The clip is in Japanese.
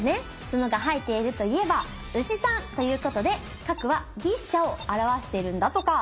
つのが生えているといえば牛さん。ということで角は牛車を表してるんだとか。